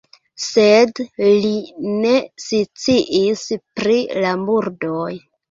Sed li ne sciis pri la murdoj.